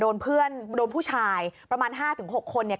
โดนเพื่อนโดนผู้ชายประมาณห้าถึงหกคนเนี่ย